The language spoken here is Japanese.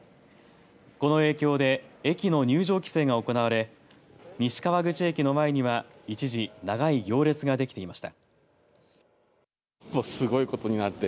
この影響で駅の入場規制が行われ西川口駅の前には一時長い行列ができていました。